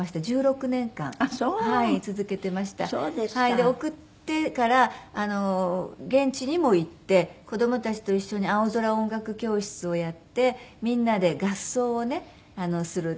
で送ってから現地にも行って子供たちと一緒に青空音楽教室をやってみんなで合奏をねするって。